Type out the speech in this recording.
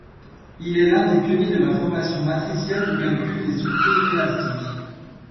Il est l'un des pionniers de la formulation matricielle du calcul des structures élastiques.